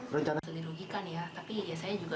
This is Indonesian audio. rencana selirugikan ya tapi ya saya juga